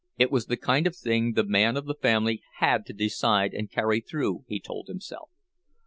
It was the kind of thing the man of the family had to decide and carry through, he told himself.